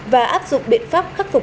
và áp dụng biện pháp khắc phục